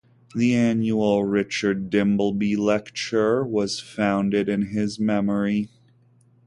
The annual Richard Dimbleby Lecture was founded in his memory.